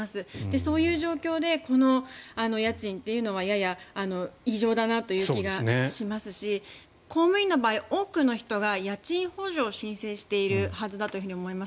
そういう状況でこの家賃というのはやや異常だなという気がしますし公務員の場合は多くの人が家賃補助を申請しているはずだと思います。